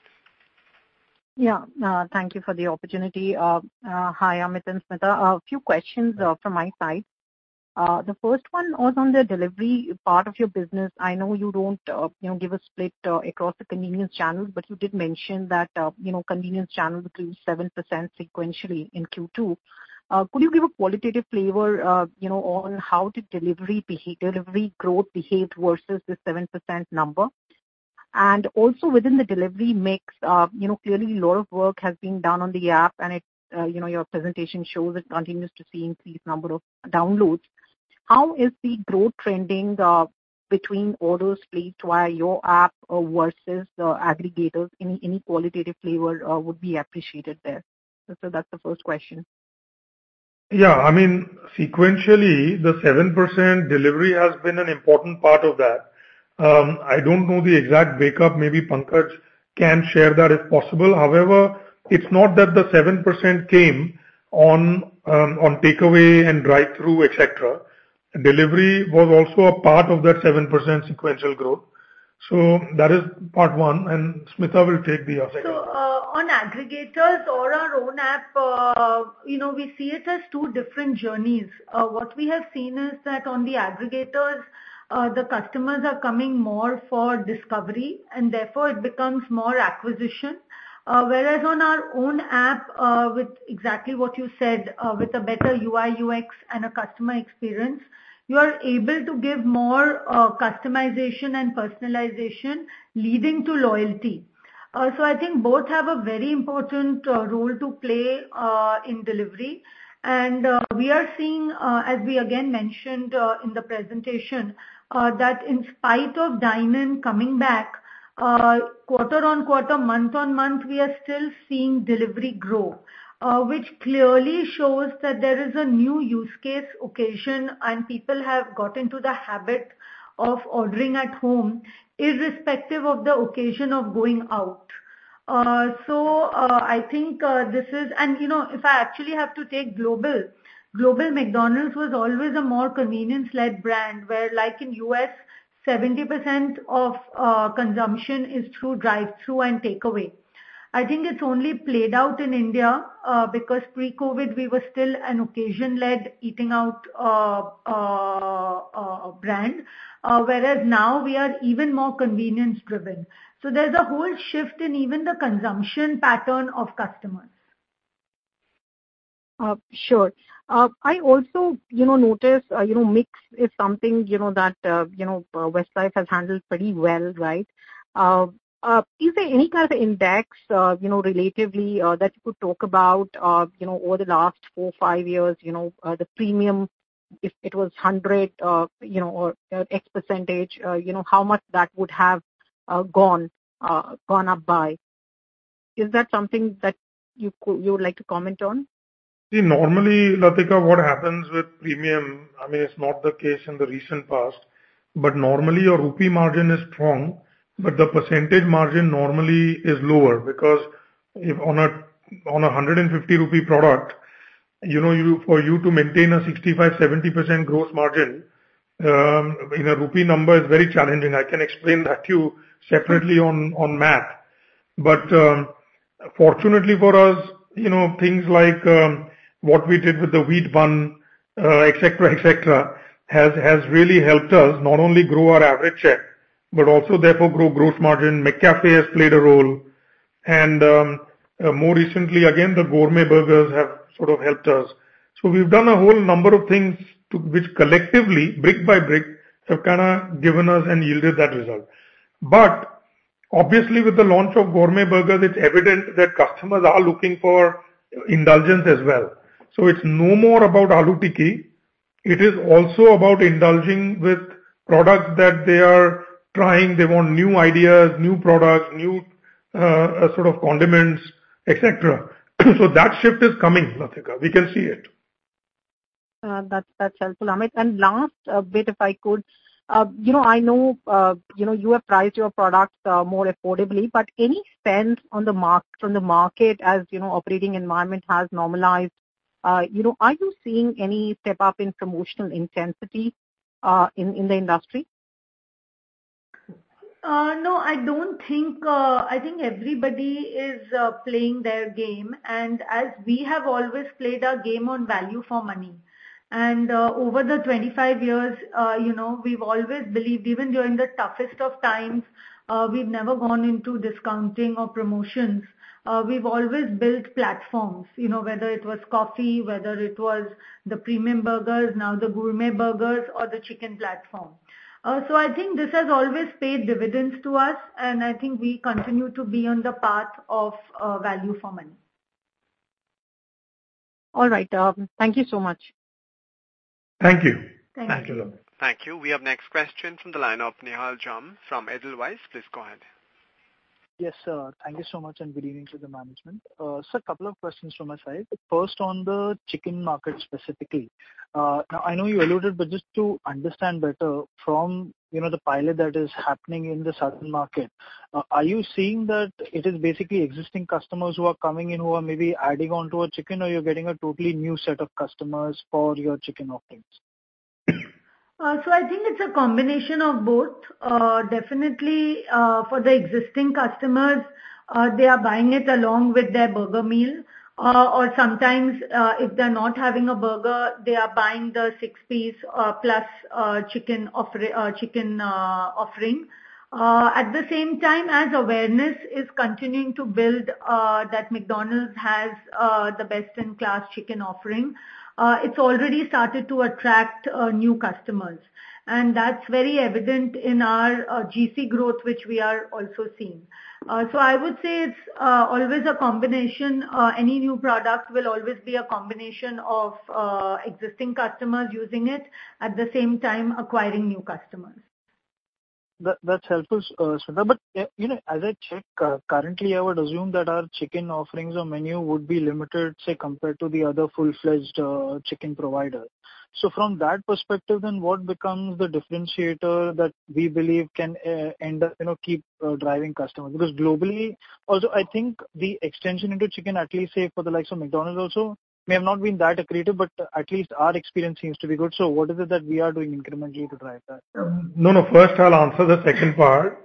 Yeah. Thank you for the opportunity. Hi, Amit and Smita. A few questions from my side. The first one was on the delivery part of your business. I know you don't, you know, give a split across the convenience channels, but you did mention that, you know, convenience channels grew seven percent sequentially in Q2. Could you give a qualitative flavor, you know, on how did delivery growth behave versus the seven percent number? And also within the delivery mix, you know, clearly a lot of work has been done on the app and it's, you know, your presentation shows it continues to see increased number of downloads. How is the growth trending between orders placed via your app versus the aggregators? Any qualitative flavor would be appreciated there. That's the first question. Yeah. I mean, sequentially, the seven percent delivery has been an important part of that. I don't know the exact breakup. Maybe Pankaj can share that if possible. However, it's not that the seven percent came on takeaway and drive through, et cetera. Delivery was also a part of that seven percent sequential growth. That is part one, and Smita will take the second. On aggregators or our own app, you know, we see it as two different journeys. What we have seen is that on the aggregators, the customers are coming more for discovery and therefore it becomes more acquisition. Whereas on our own app, with exactly what you said, with a better UI/UX and a customer experience, you are able to give more, customization and personalization leading to loyalty. I think both have a very important role to play in delivery. We are seeing, as we again mentioned, in the presentation, that in spite of dine-in coming back, quarter-on-quarter, month-on-month, we are still seeing delivery grow. which clearly shows that there is a new use case occasion, and people have got into the habit of ordering at home irrespective of the occasion of going out. I think, you know, if I actually have to take global McDonald's was always a more convenience-led brand, where like in U.S., 70% of consumption is through drive-through and takeaway. I think it's only played out in India, because pre-COVID, we were still an occasion-led eating out brand, whereas now we are even more convenience-driven. There's a whole shift in even the consumption pattern of customers. Sure. I also, you know, noticed, you know, mix is something, you know, that, you know, Westlife has handled pretty well, right? Is there any kind of index, you know, relatively, that you could talk about, you know, over the last four, five years, you know, the premium, if it was 100, you know, or X percentage, you know, how much that would have gone up by? Is that something that you would like to comment on? See, normally, Latika, what happens with premium, I mean, it's not the case in the recent past, but normally your INR margin is strong, but the % margin normally is lower because if on a 150 rupee product, you know, for you to maintain a 65%-70% gross margin, in an INR number is very challenging. I can explain that to you separately on math. Fortunately for us, you know, things like what we did with the wheat bun, et cetera, has really helped us not only grow our average check, but also therefore grow gross margin. McCafé has played a role. More recently, again, the gourmet burgers have sort of helped us. We've done a whole number of things to which collectively, brick by brick, have kinda given us and yielded that result. Obviously, with the launch of gourmet burgers, it's evident that customers are looking for indulgence as well. It's no more about Aloo Tikki. It is also about indulging with products that they are trying. They want new ideas, new products, new sort of condiments, et cetera. That shift is coming, Latika. We can see it. That's helpful, Amit. Last bit, if I could. You know, I know, you know, you have priced your products more affordably, but any spend on the marketing from the market, as you know, operating environment has normalized, you know, are you seeing any step up in promotional intensity in the industry? No, I don't think. I think everybody is playing their game. As we have always played our game on value for money. Over the 25 years, you know, we've always believed even during the toughest of times, we've never gone into discounting or promotions. We've always built platforms. You know, whether it was coffee, whether it was the premium burgers, now the gourmet burgers or the chicken platform. I think this has always paid dividends to us, and I think we continue to be on the path of value for money. All right. Thank you so much. Thank you. Thank you. Thank you. Thank you. We have the next question from the line of Nihal Jham from Edelweiss. Please go ahead. Yes, sir. Thank you so much, and good evening to the management. Sir, couple of questions from my side. First, on the chicken market specifically. Now I know you alluded, but just to understand better from, you know, the pilot that is happening in the southern market, are you seeing that it is basically existing customers who are coming in who are maybe adding on to a chicken, or you're getting a totally new set of customers for your chicken offerings? I think it's a combination of both. Definitely, for the existing customers, they are buying it along with their burger meal. Or sometimes, if they're not having a burger, they are buying the 6-piece, plus, chicken offering. At the same time, as awareness is continuing to build, that McDonald's has the best in class chicken offering, it's already started to attract new customers. That's very evident in our GC growth, which we are also seeing. I would say it's always a combination. Any new product will always be a combination of existing customers using it, at the same time acquiring new customers. That's helpful, Sundha. You know, as I check, currently I would assume that our chicken offerings or menu would be limited, say, compared to the other full-fledged chicken provider. From that perspective then, what becomes the differentiator that we believe can end up, you know, keep driving customers? Because globally also, I think the extension into chicken, at least say for the likes of McDonald's also, may have not been that accretive, but at least our experience seems to be good. What is it that we are doing incrementally to drive that? No, no. First I'll answer the second part.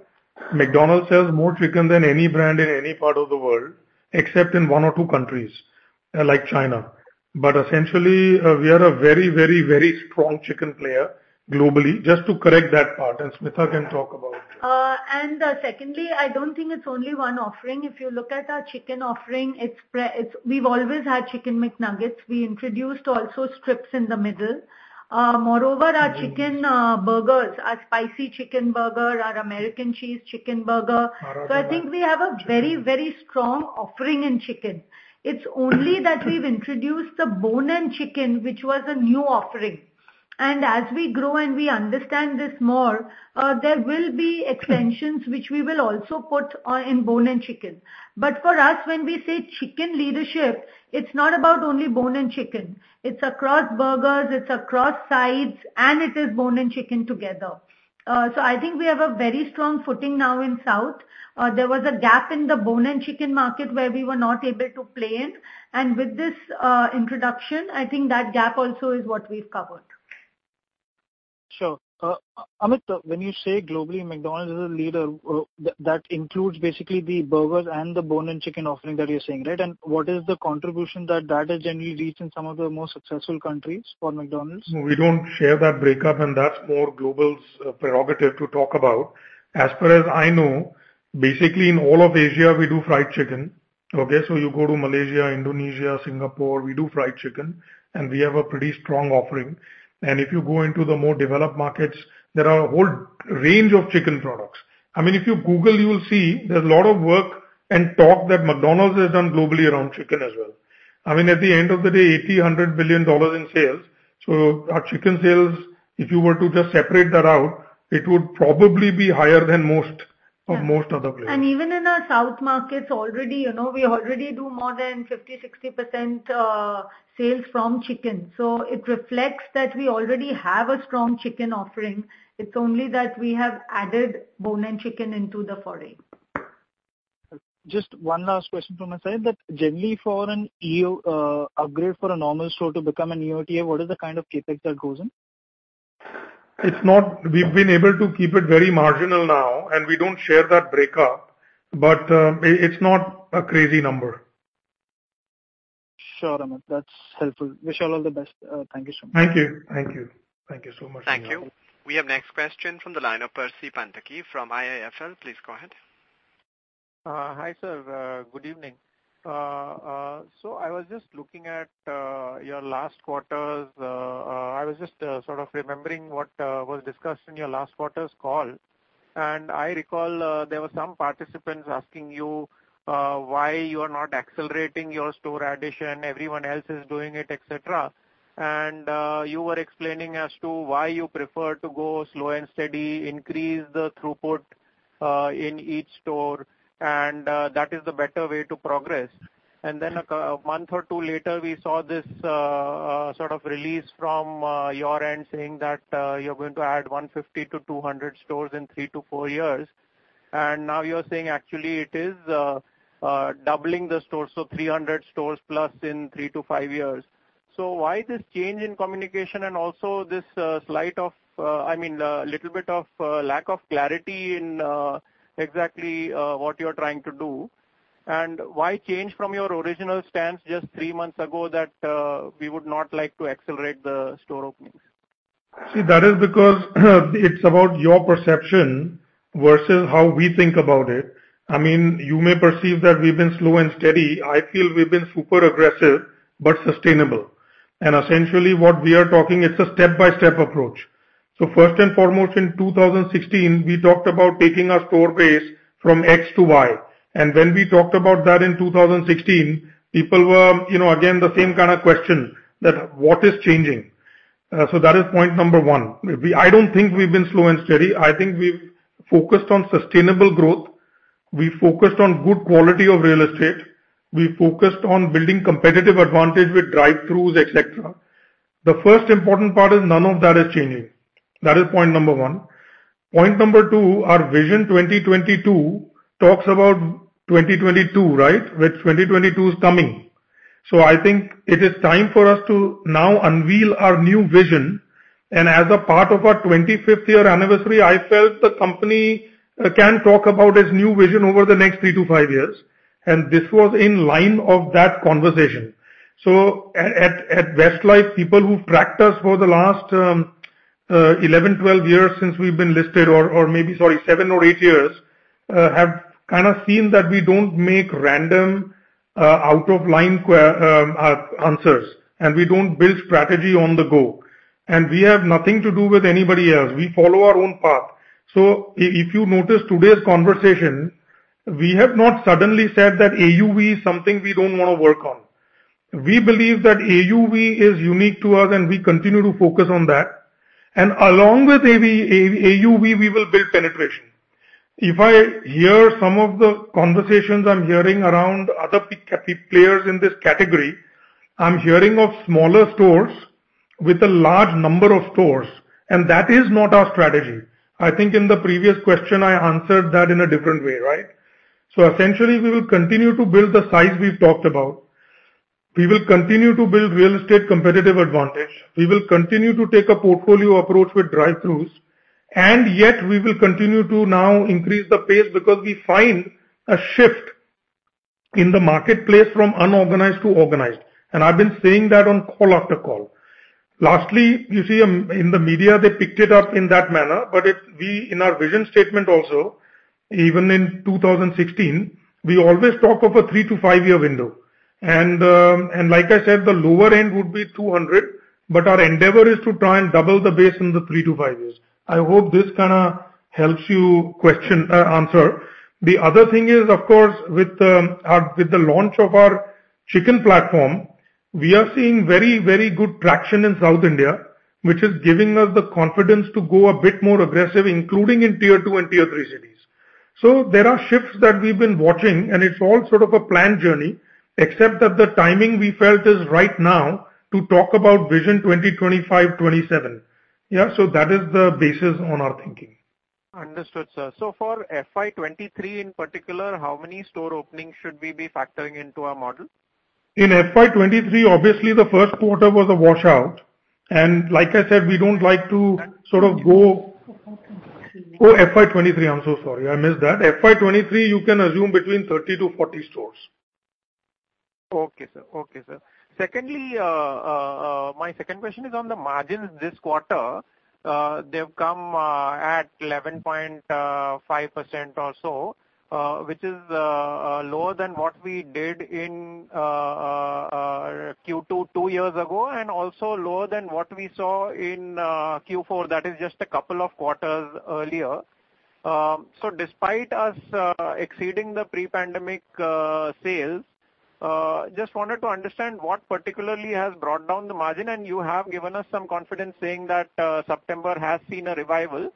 McDonald's sells more chicken than any brand in any part of the world, except in one or two countries, like China. Essentially, we are a very, very, very strong chicken player globally. Just to correct that part, and Smita can talk about. Secondly, I don't think it's only one offering. If you look at our chicken offering, we've always had Chicken McNuggets. We introduced also strips in the middle. Moreover, our chicken burgers, our McSpicy Chicken Burger, our American Cheese Chicken Burger. I think we have a very, very strong offering in chicken. It's only that we've introduced the bone-in chicken, which was a new offering. As we grow and we understand this more, there will be extensions which we will also put in bone-in chicken. For us, when we say chicken leadership, it's not about only bone-in chicken. It's across burgers, it's across sides, and it is bone-in chicken together. I think we have a very strong footing now in South. There was a gap in the bone-in chicken market where we were not able to play in, and with this introduction, I think that gap also is what we've covered. Sure. Amit, when you say globally McDonald's is a leader, that includes basically the burgers and the bone-in chicken offering that you're saying, right? What is the contribution that that has generally reached in some of the most successful countries for McDonald's? No, we don't share that breakup, and that's more Global's prerogative to talk about. As far as I know, basically in all of Asia, we do fried chicken. Okay? You go to Malaysia, Indonesia, Singapore, we do fried chicken, and we have a pretty strong offering. If you go into the more developed markets, there are a whole range of chicken products. I mean, if you Google, you will see there's a lot of work and talk that McDonald's has done globally around chicken as well. I mean, at the end of the day, $80 billion-$100 billion in sales. Our chicken sales, if you were to just separate that out, it would probably be higher than most. Yeah. Of most other players. Even in our South markets already, you know, we already do more than 50%, 60% sales from chicken. It reflects that we already have a strong chicken offering. It's only that we have added bone in chicken into the foray. Just one last question to myself, that generally for an EOTF upgrade for a normal store to become an EOTF, what is the kind of CapEx that goes in? It's not. We've been able to keep it very marginal now, and we don't share that breakup, but it's not a crazy number. Sure, Amit. That's helpful. Wish you all the best. Thank you so much. Thank you. Thank you. Thank you so much. Thank you. We have next question from the line of Percy Panthaki from IIFL. Please go ahead. Hi, sir. Good evening. I was just sort of remembering what was discussed in your last quarter's call, and I recall there were some participants asking you why you are not accelerating your store addition, everyone else is doing it, et cetera. You were explaining as to why you prefer to go slow and steady, increase the throughput in each store, and that is the better way to progress. A month or two later, we saw this sort of release from your end saying that you're going to add 150-200 stores in three-four years. Now you're saying actually it is doubling the stores, so 300 stores plus in three to five years. Why this change in communication and also this slight, I mean, little bit of lack of clarity in exactly what you're trying to do? Why change from your original stance just three months ago that we would not like to accelerate the store openings? See, that is because it's about your perception versus how we think about it. I mean, you may perceive that we've been slow and steady. I feel we've been super aggressive but sustainable. Essentially what we are talking, it's a step-by-step approach. First and foremost, in 2016, we talked about taking our store base from X to Y. When we talked about that in 2016, people were, you know, again, the same kind of question, that what is changing? That is point number one. I don't think we've been slow and steady. I think we've focused on sustainable growth. We've focused on good quality of real estate. We've focused on building competitive advantage with drive-throughs, et cetera. The first important part is none of that is changing. That is point number one. Point number two, our Vision 2022 talks about 2022, right? Which 2022 is coming. I think it is time for us to now unveil our new vision. As a part of our 25th year anniversary, I felt the company can talk about its new vision over the next three to five years. This was in line of that conversation. At Westlife, people who've tracked us for the last 11, 12 years since we've been listed or maybe, sorry, seven or eight years, have kind of seen that we don't make random out of line answers, and we don't build strategy on the go. We have nothing to do with anybody else. We follow our own path. If you notice today's conversation, we have not suddenly said that AUV is something we don't wanna work on. We believe that AUV is unique to us, and we continue to focus on that. Along with AUV, we will build penetration. If I hear some of the conversations I'm hearing around other players in this category, I'm hearing of smaller stores with a large number of stores, and that is not our strategy. I think in the previous question, I answered that in a different way, right? Essentially, we will continue to build the size we've talked about. We will continue to build real estate competitive advantage. We will continue to take a portfolio approach with drive-throughs. Yet we will continue to now increase the pace because we find a shift in the marketplace from unorganized to organized, and I've been saying that on call after call. Lastly, you see in the media, they picked it up in that manner. We in our vision statement also, even in 2016, we always talk of a three-five year window. Like I said, the lower end would be 200, but our endeavor is to try and double the base in the three-five years. I hope this kind of helps answer your question. The other thing is, of course, with the launch of our chicken platform, we are seeing very, very good traction in South India, which is giving us the confidence to go a bit more aggressive, including in tier two and tier three cities. There are shifts that we've been watching, and it's all sort of a planned journey, except that the timing we felt is right now to talk about Vision 2025, 27. Yeah, that is the basis on our thinking. Understood, sir. For FY 2023 in particular, how many store openings should we be factoring into our model? In FY 2023, obviously the first quarter was a washout, and like I said, Oh, FY 2023. I'm so sorry. I missed that. FY 2023, you can assume between 30-40 stores. Okay, sir. Secondly, my second question is on the margins this quarter. They've come at 11.5% or so, which is lower than what we did in Q2 two years ago and also lower than what we saw in Q4. That is just a couple of quarters earlier. Despite us exceeding the pre-pandemic sales, just wanted to understand what particularly has brought down the margin. You have given us some confidence saying that September has seen a revival,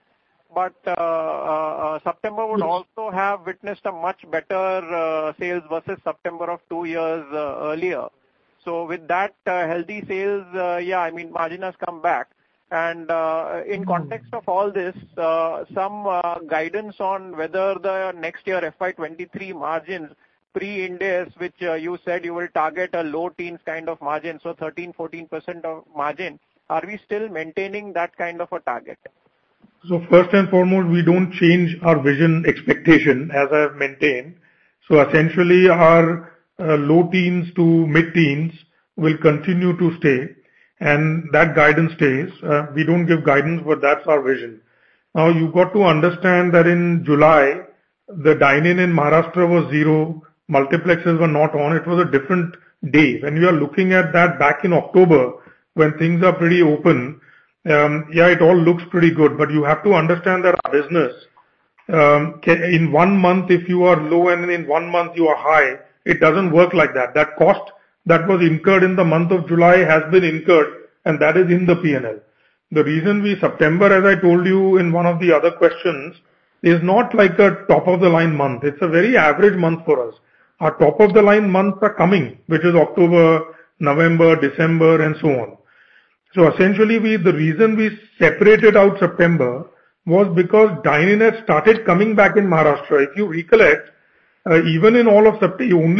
but September would also have witnessed a much better sales versus September of two years earlier. With that healthy sales, yeah, I mean, margin has come back. In context of all this, some guidance on whether the next year FY 2023 margins pre-Ind AS, which you said you will target a low teens kind of margin, so 13%-14% margin. Are we still maintaining that kind of a target? First and foremost, we don't change our vision expectation as I've maintained. Essentially our low teens-mid teens will continue to stay and that guidance stays. We don't give guidance, but that's our vision. Now you've got to understand that in July the dine-in in Maharashtra was zero. Multiplexes were not on. It was a different day. When you are looking at that back in October when things are pretty open, yeah, it all looks pretty good. But you have to understand that our business, in one month if you are low and in one month you are high, it doesn't work like that. That cost that was incurred in the month of July has been incurred and that is in the P&L. The reason for September, as I told you in one of the other questions, is not like a top-of-the-line month. It's a very average month for us. Our top of the line months are coming, which is October, November, December and so on. Essentially we, the reason we separated out September was because dine-in had started coming back in Maharashtra. If you recollect, only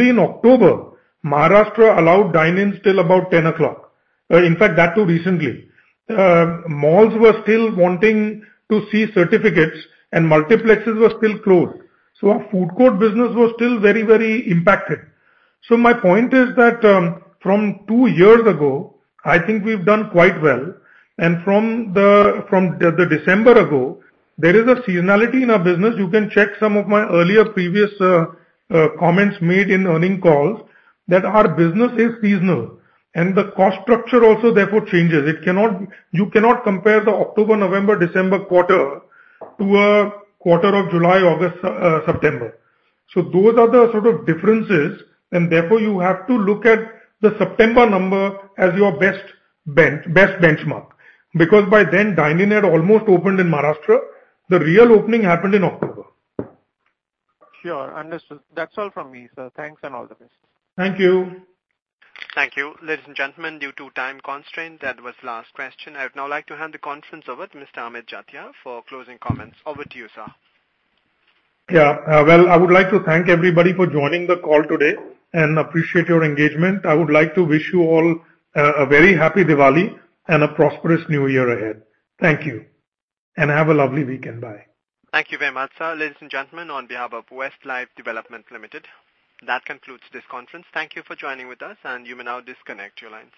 in October, Maharashtra allowed dine-in still about 10 o'clock. In fact, that too recently. Malls were still wanting to see certificates and multiplexes were still closed. Our food court business was still very, very impacted. My point is that, from two years ago, I think we've done quite well. From the December ago, there is a seasonality in our business. You can check some of my earlier previous comments made in earnings calls that our business is seasonal and the cost structure also therefore changes. You cannot compare the October, November, December quarter to a quarter of July, August, September. Those are the sort of differences and therefore you have to look at the September number as your best benchmark, because by then dine in had almost opened in Maharashtra. The real opening happened in October. Sure. Understood. That's all from me, sir. Thanks and all the best. Thank you. Thank you. Ladies and gentlemen, due to time constraint, that was last question. I would now like to hand the conference over to Mr. Amit Jatia for closing comments. Over to you, sir. Yeah. Well, I would like to thank everybody for joining the call today and appreciate your engagement. I would like to wish you all a very happy Diwali and a prosperous new year ahead. Thank you. Have a lovely weekend. Bye. Thank you very much, sir. Ladies and gentlemen, on behalf of Westlife Development Limited, that concludes this conference. Thank you for joining with us and you may now disconnect your lines.